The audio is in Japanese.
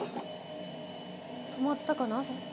止まったかな？